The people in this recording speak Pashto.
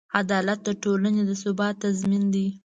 عدالت د ټولنې د ثبات تضمین دی.